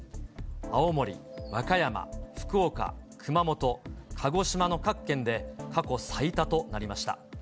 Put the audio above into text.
青森、和歌山、福岡、熊本、鹿児島の各県で過去最多となりました。